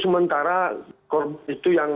sementara itu yang